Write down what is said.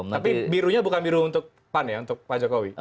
tapi birunya bukan biru untuk pan ya untuk pak jokowi